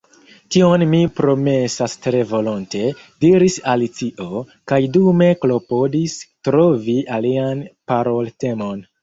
“Tion mi promesas tre volonte,” diris Alicio, kaj dume klopodis trovi alian paroltemon.